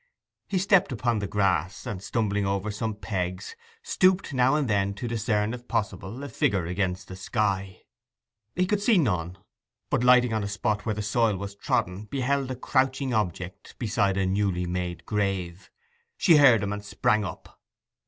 He stepped upon the grass, and, stumbling over some pegs, stooped now and then to discern if possible a figure against the sky. He could see none; but lighting on a spot where the soil was trodden, beheld a crouching object beside a newly made grave. She heard him, and sprang up.